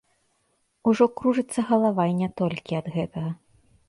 Ужо кружыцца галава і не толькі ад гэтага.